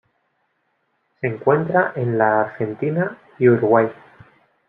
Se encuentra en la Argentina y Uruguay.